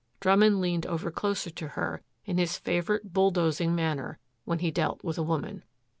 Drummond leaned over closer to her in his favorite bulldozing manner when he dealt with a woman.